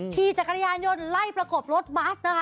ขี่จักรยานยนต์ไล่ประกบรถบัสนะคะ